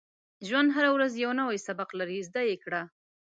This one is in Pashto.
• ژوند هره ورځ یو نوی سبق لري، زده کړه یې.